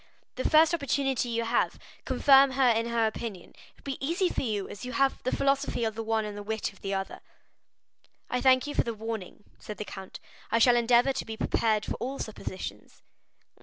The first opportunity you have, confirm her in her opinion; it will be easy for you, as you have the philosophy of the one and the wit of the other." "I thank you for the warning," said the count; "I shall endeavor to be prepared for all suppositions."